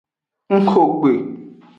Ngxo gbe.